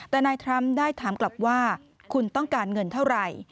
แต่นายทรัมป์ได้ถามกลับว่าคุณต้องการเงินเท่าไหร่